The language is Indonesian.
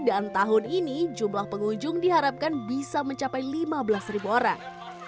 dan tahun ini jumlah pengunjung diharapkan bisa mencapai lima belas orang